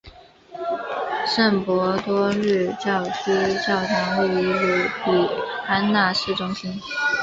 圣伯多禄教区教堂位于卢比安纳市中心。